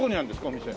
お店。